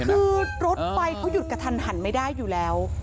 คือรถไฟเขาหยุดกระทันหันไม่ได้อยู่แล้ว